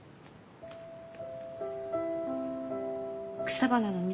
草花の道